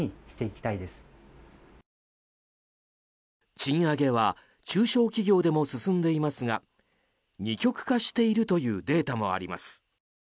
賃上げは中小企業でも進んでいますが二極化しているというデータもあります。